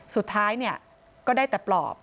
สุดท้ายก็ได้แต่ปลอบ